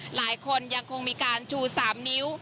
หลายคนยังคงมีการชู๓นิ้ว